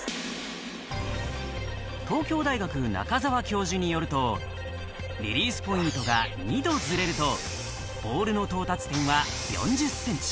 東京大学、中澤教授によると、リリースポイントが２度ずれると、ボールの到達点は４０ｃｍ。